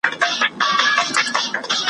نن دي لا په باغ کي پر ګلڅانګه غزلخوان یمه ,